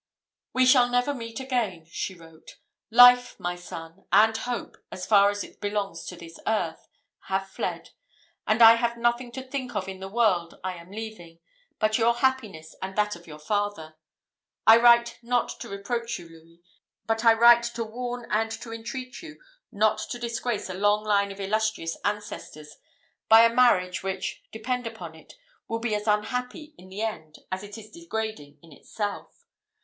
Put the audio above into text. "We shall never meet again!" she wrote. "Life, my son, and hope, as far as it belongs to this earth, have fled; and I have nothing to think of in the world I am leaving, but your happiness and that of your father. I write not to reproach you, Louis, but I write to warn and to entreat you not to disgrace a long line of illustrious ancestors, by a marriage, which, depend upon it, will be as unhappy in the end as it is degrading in itself.